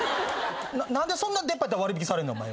何でそんな出っ歯やったら割引されんねんお前。